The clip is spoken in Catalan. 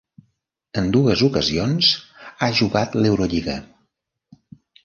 En dues ocasions ha jugat l'Eurolliga.